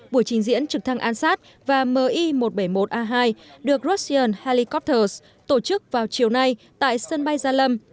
buổi trình diễn trực thăng an sát và mi một trăm bảy mươi một a hai được russian helicopters tổ chức vào chiều nay tại sân bay gia lâm